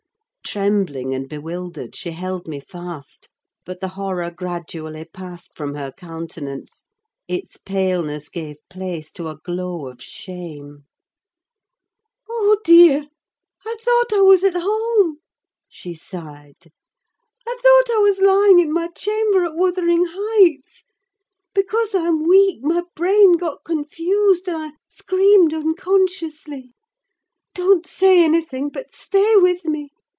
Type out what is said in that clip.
Trembling and bewildered, she held me fast, but the horror gradually passed from her countenance; its paleness gave place to a glow of shame. "Oh, dear! I thought I was at home," she sighed. "I thought I was lying in my chamber at Wuthering Heights. Because I'm weak, my brain got confused, and I screamed unconsciously. Don't say anything; but stay with me.